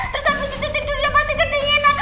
terus habis itu tidur dia pasti kedinginan